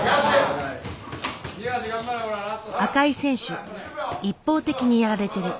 赤い選手一方的にやられてる。